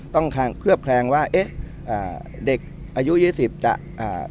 เคลือบแคลงว่าเอ๊ะอ่าเด็กอายุยี่สิบจะอ่า